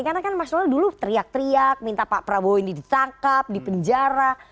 karena kan mas noel dulu teriak teriak minta pak prabowo ini ditangkap dipenjara